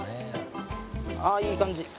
ああいい感じ。